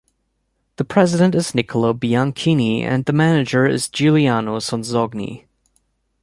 The president is Nicola Bianchini and the manager is Giuliano Sonzogni.